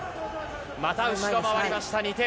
また後ろ回りました、２点。